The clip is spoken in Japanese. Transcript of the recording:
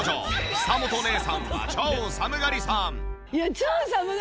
久本姉さんは超寒がりさん。